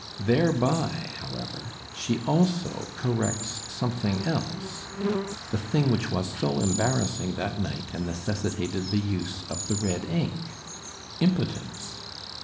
Thereby, however, she also corrects something else, the thing which was so embarrassing that night and necessitated the use of the red ink impotence.